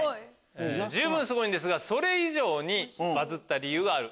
十分すごいんですがそれ以上にバズった理由がある。